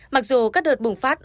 mặc dù các đợt bùng phát